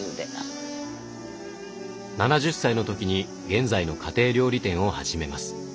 ７０歳の時に現在の家庭料理店を始めます。